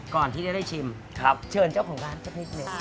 ก่อนที่จะได้ชิมเชิญเจ้าของร้านสักนิดหนึ่ง